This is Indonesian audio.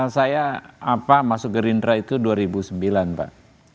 saya apa masuk gerindra itu dua ribu sembilan pak